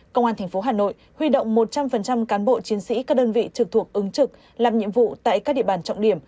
công an tp hà nội huy động một trăm linh cán bộ chiến sĩ các đơn vị trực thuộc ứng trực làm nhiệm vụ tại các địa bàn trọng điểm